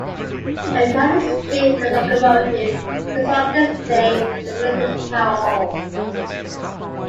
When not in steam the locomotive is on display in the museum's Power Hall.